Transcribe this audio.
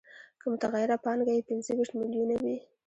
که متغیره پانګه یې پنځه ویشت میلیونه وي